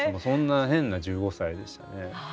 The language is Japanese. そんな変な１５歳でしたね。